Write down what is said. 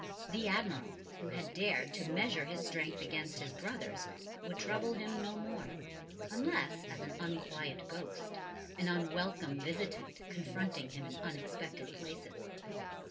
The Admiral, who had dared to measure his strength against his brother's, would trouble him no more, unless as an unquiet ghost, an unwelcome visitant confronting him in unexpected places.